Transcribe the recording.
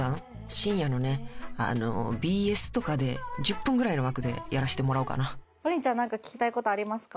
深夜のねＢＳとかで１０分ぐらいの枠でやらしてもらおうかなＰＯＲＩＮちゃん何か聞きたいことありますか？